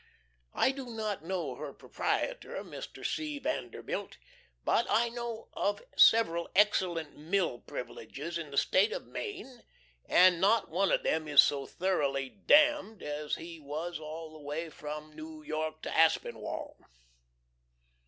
I do not know her proprietor, Mr. C. Vanderbilt. But I know of several excellent mill privileges in the State of Maine, and not one of them is so thoroughly "Dam'd" as he was all the way from New York to Aspinwall.